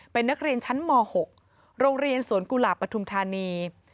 เป็นนักเรียนชั้นม๖โรงเรียนสวนกุหลาบปฐุมธานี